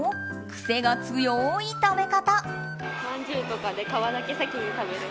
癖が強い食べ方。